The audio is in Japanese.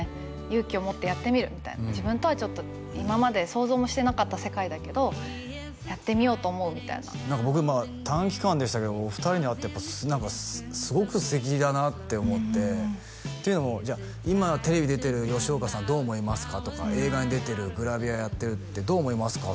勇気を持ってやってみるみたいな今まで想像もしてなかった世界だけどやってみようと思うみたいな僕短期間でしたけどお二人に会ってすごく素敵だなって思ってというのも今テレビ出てる吉岡さんどう思いますか？とか映画に出てるグラビアやってるってどう思いますか？